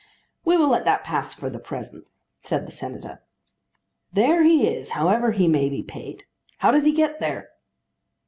"We will let that pass for the present," said the Senator. "There he is, however he may be paid. How does he get there?"